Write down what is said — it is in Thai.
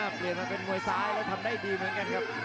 เปลี่ยนมาเป็นมวยซ้ายแล้วทำได้ดีเหมือนกันครับ